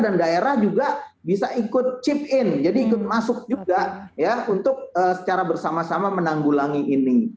dan daerah juga bisa ikut chip in jadi ikut masuk juga ya untuk secara bersama sama menanggulangi ini